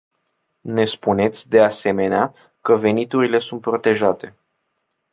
Ne spuneți, de asemenea, că veniturile sunt protejate.